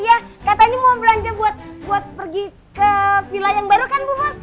iya katanya mau belanja buat buat pergi ke vila yang baru kan bu bos